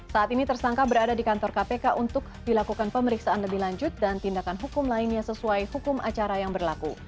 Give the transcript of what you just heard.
saat ini tersangka berada di kantor kpk untuk dilakukan pemeriksaan lebih lanjut dan tindakan hukum lainnya sesuai hukum acara yang berlaku